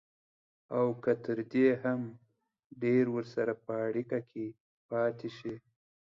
او که تر دې هم ډېر ورسره په اړيکه کې پاتې شي.